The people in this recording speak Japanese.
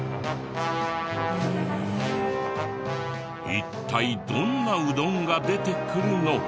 一体どんなうどんが出てくるの？